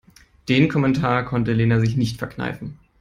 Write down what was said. Den Kommentar konnte Lena sich nicht verkneifen.